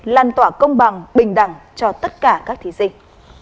lan tỏa công bằng bình đẳng cho tất cả các thí sinh